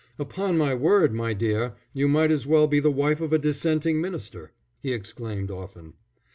"Upon my word, my dear, you might as well be the wife of a dissenting minister," he exclaimed often.